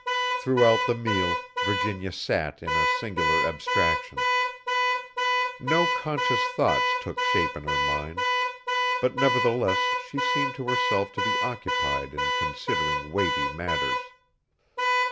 Throughout the meal Virginia sat in a singular abstraction. No conscious thoughts took shape in her mind, but nevertheless she seemed to herself to be occupied in considering weighty matters.